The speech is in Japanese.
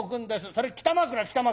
それ北枕北枕。